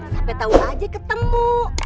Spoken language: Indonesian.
sampe tau aja ketemu